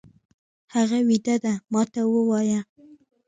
هغه ويده دی، ما ته ووايه!